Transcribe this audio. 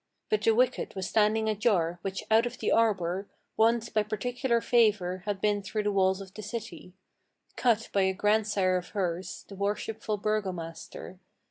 But the wicket was standing ajar, which out of the arbor, Once by particular favor, had been through the walls of the city Cut by a grandsire of hers, the worshipful burgomaster.